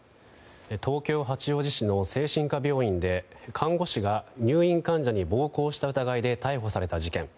東京・八王子市の精神科病院で看護師が入院患者に暴行した疑いで逮捕された事件。